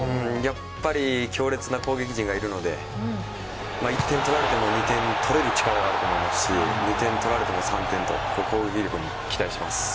強烈な攻撃陣がいるので１点取られても２点取れる力はあると思いますし２点取られても３点と攻撃力に期待します。